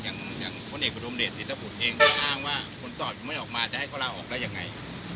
อย่างคนเอกอุดมเดชสินตะพุทธเองก็อ้างว่าคนตอบไม่ออกมาจะให้ก็เล่าออกแล้วยังไง